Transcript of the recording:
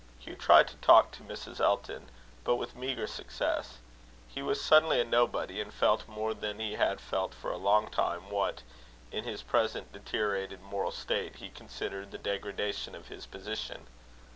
Hugh tried to talk to Mrs. Elton, but with meagre success. He was suddenly a nobody, and felt more than he had felt for a long time what, in his present deteriorated moral state, he considered the degradation of his position.